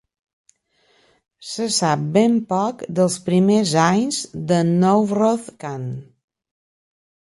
Se sap ben poc dels primers anys de Nowroz Khan.